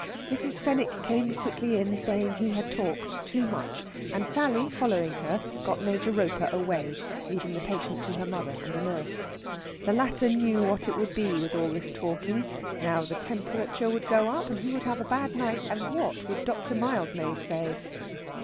Mrs. Fenwick came quickly in, saying he had talked too much; and Sally, following her, got Major Roper away, leaving the patient to her mother and the nurse. The latter knew what it would be with all this talking now the temperature would go up, and he would have a bad night, and what would Dr. Mildmay say?